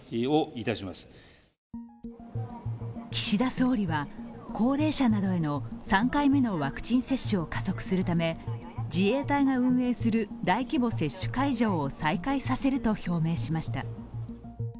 岸田総理は、高齢者などへの３回目のワクチン接種を加速するため自衛隊が運営する大規模接種会場を再開させると表明しました。